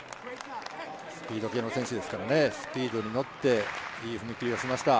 スピード系の選手ですから、スピードに乗って、いい踏み切りをしました。